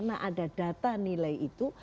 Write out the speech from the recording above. ada data nilai itu